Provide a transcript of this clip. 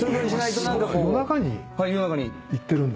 夜中に行ってるんだ？